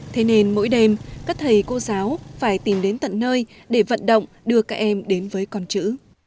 thế nên mỗi đêm các thầy cô giáo phải tìm đến tận nơi để vận động đưa các em đến với con chữ